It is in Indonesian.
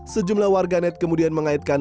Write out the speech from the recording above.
sejumlah warganet kemudian mengaitkan